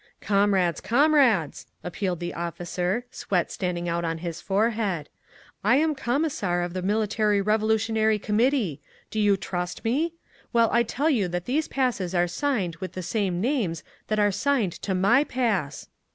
"Comrades! Comrades!" appealed the officer, sweat standing out on his forehead. "I am Commissar of the Military Revolutionary Committee. Do you trust me? Well, I tell you that these passes are signed with the same names that are signed to my pass!"